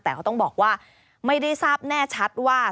แต่ก็ต้องบอกว่าไม่ได้ทราบแน่ชัดว่า